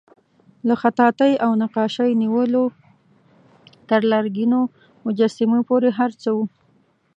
له خطاطۍ او نقاشۍ نیولې تر لرګینو مجسمو پورې هر څه وو.